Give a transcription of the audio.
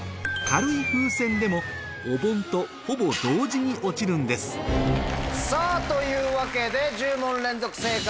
軽い風船でもお盆とほぼ同時に落ちるんですさぁというわけで。